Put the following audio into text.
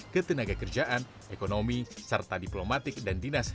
ketenaga kerjaan ekonomi serta diplomatik dan dinas